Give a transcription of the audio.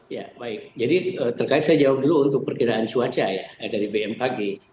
ya baik jadi terkait saya jawab dulu untuk perkiraan cuaca ya dari bmkg